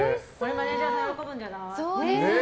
マネジャーも喜ぶんじゃない？